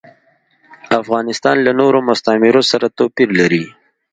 افغانستان له نورو مستعمرو سره توپیر لري.